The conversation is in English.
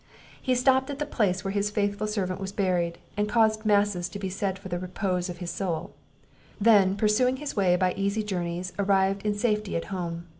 He stopped at the place where his faithful servant was buried, and caused masses to be said for the repose of his soul; then, pursuing his way by easy journeys, arrived in safety at home.